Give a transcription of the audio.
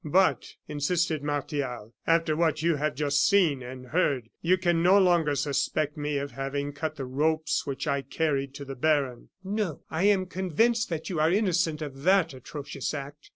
"But," insisted Martial, "after what you have just seen and heard you can no longer suspect me of having cut the ropes which I carried to the baron." "No! I am convinced that you are innocent of that atrocious act."